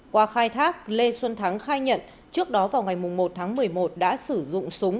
qua khai thác lê xuân thắng khai nhận trước đó vào ngày một tháng một mươi một đã sử dụng súng